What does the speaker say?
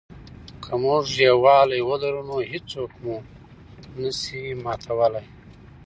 که موږ یووالي ولرو نو هېڅوک مو نه سي ماتولای.